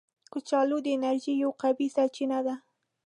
کچالو د انرژي یو قوي سرچینه ده